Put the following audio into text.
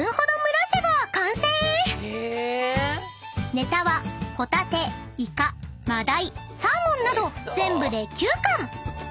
［ネタはホタテイカ真鯛サーモンなど全部で９貫］